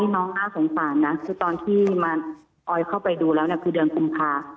น้องน่าสงสารนะคือตอนที่มาออยเข้าไปดูแล้วคือเดือนกุมภา